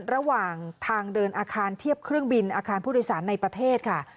ระหว่างทางเดินอาคารเทียบเครื่องบินอาคารผู้โดยสารในประเทศค่ะ